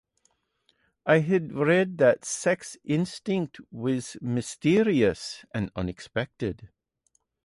I had read that sex instinct was mysterious and unexpected.